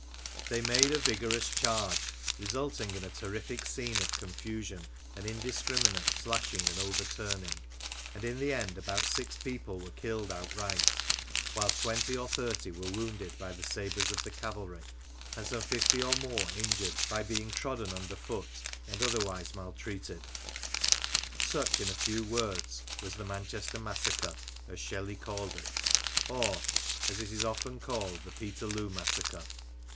They made a vigorous charge, resulting in a terrific scene of confusion and indiscriminate slashing and overturning ; and in the end about six people were killed outright, while twenty or thirty were wounded by the sabres of the cavalry, and some fifty or more injured by being trodden under foot and otherwise maltreated. Such, in a few words, was the Manchester massacre, as Shelley called it, or, as it is often called, the Peterloo massacre.